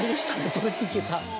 それでいけた。